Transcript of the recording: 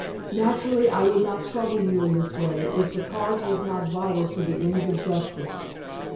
Naturally, I would not trouble you in this way if the cause was not vital to the ends of justice.